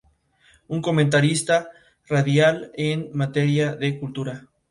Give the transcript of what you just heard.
Es comentarista radial en materia de cultura.